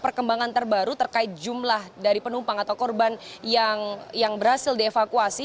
perkembangan terbaru terkait jumlah dari penumpang atau korban yang berhasil dievakuasi